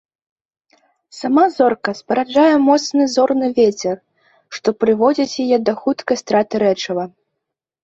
Сама зорка спараджае моцны зорны вецер, што прыводзіць яе да хуткай страты рэчыва.